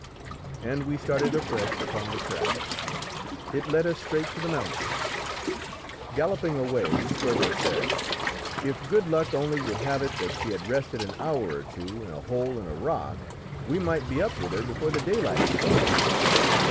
And we started afresh upon the track. It led us straight to the mountains. Galloping away, Sperver said "If good luck only would have it that she had rested an hour or two in a hole in a rock, we might be up with her before the daylight is gone."